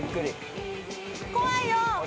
怖いよ。